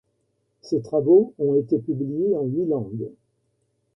Ses travaux ont été publiés en huit langues.